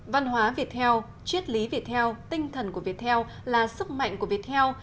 văn hóa việt heo triết lý việt heo tinh thần của việt heo là sức mạnh của việt heo